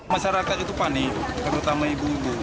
masyarakat itu panik terutama ibu ibu